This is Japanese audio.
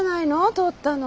通ったの。